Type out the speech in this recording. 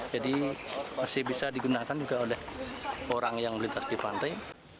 jadi masih bisa digunakan juga oleh orang yang beli tas di pantai